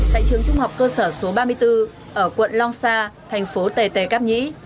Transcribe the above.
tại trường trung học cơ sở số ba mươi bốn ở quận long sa thành phố tề tề cáp nhĩ